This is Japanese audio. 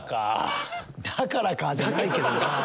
「だからか」じゃないけどな。